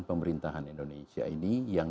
pemerintahan indonesia ini yang